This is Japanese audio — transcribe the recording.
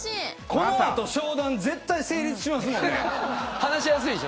この後商談絶対成立しますもんね。